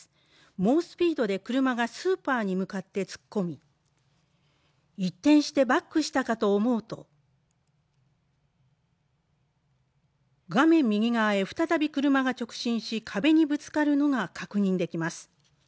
猛スピードで車がスーパーに向かって突っ込み一転してバックしたかと思うと、画面右側へ再び車が直進し、壁にぶつかるのが確認できます。